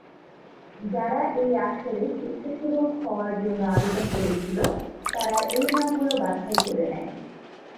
যারা এই আসরে স্বেচ্ছাসেবক হওয়ার জন্য আবেদন করেছিল তারা এই নামগুলো বাছাই করে নেয়।